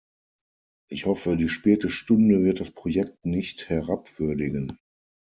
Ich hoffe, die späte Stunde wird das Projekt nicht herabwürdigen.